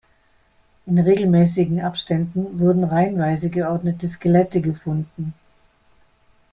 In regelmäßigen Abständen wurden reihenweise geordnete Skelette gefunden.